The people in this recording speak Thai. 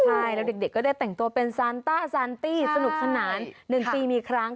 ใช่แล้วเด็กก็ได้แต่งตัวเป็นซานต้าซานตี้สนุกสนาน๑ปีมีครั้ง